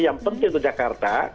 yang penting untuk jakarta